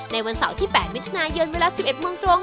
ในวันเสาร์ที่๘มิถุนายน๑๑มตรง